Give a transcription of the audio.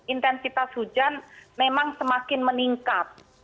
intensitas hujan memang semakin meningkat